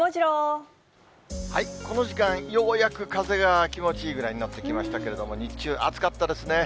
この時間、ようやく風が気持ちいいぐらいになってきましたけれども、日中、暑かったですね。